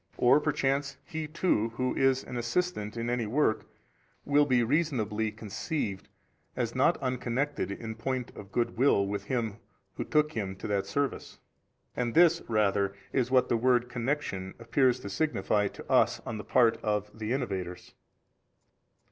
Or perchance he too who is an assistant in any work will be reasonably conceived as not unconnected in point of good will with him who took him to that service. And this rather is what the word connection appears to signify to us on the part of the innovators.